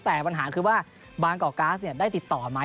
แต่ปัญหาคือว่าบางกอกก๊าซได้ติดต่อไหม